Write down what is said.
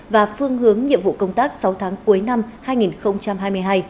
và phương hướng nhiệm vụ công tác sáu tháng cuối năm hai nghìn hai mươi hai